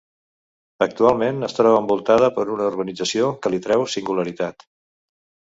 Actualment es troba envoltada per una urbanització, que li treu singularitat.